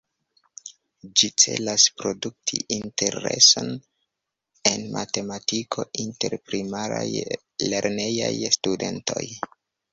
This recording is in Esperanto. Ĝi celas produkti intereson en matematiko inter Primaraj lernejaj studentoj.